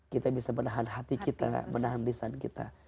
kita bisa menahan hati kita menahan lisan kita